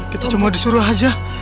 kita cuma disuruh aja